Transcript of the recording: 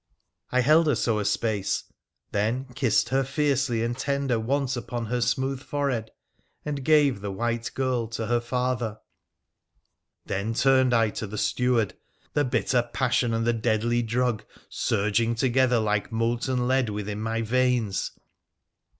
I held her so a space, then kissed her fiercely and tender once upon her smooth forehead, and gave the white girl to her father. PHRA THE PH(ENICIAN 34S Then turned I to the steward, the bitter passion and the deadly drug surging together like molten lead within my veins.